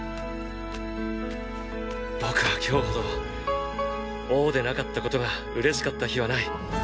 僕は今日ほど王でなかったことが嬉しかった日はない。